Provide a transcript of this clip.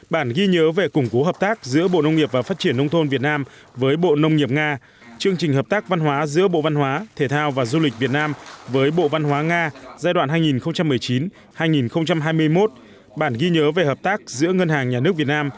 bản ghi nhớ về củng cố hợp tác giữa bộ nông nghiệp và phát triển nông thôn việt nam với bộ nông nghiệp nga